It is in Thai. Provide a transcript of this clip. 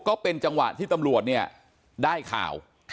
ก็เป็นจังหวะที่ตำรวจเนี่ยได้ข่าว